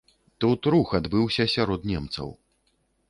Тут рух адбыўся сярод немцаў.